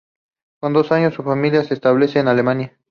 Con dos años, su familia se establece en Alemania.